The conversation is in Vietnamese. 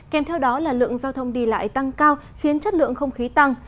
kèm theo đó là lượng giao thông đi lại tăng cao khiến chất lượng không khí tăng